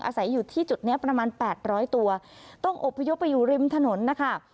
อาศัยอยู่ที่จุดนี้ประมาณแปดร้อยตัวต้องอบพยพไปอยู่ริมถนนนะคะ